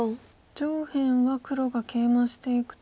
上辺は黒がケイマしていくと。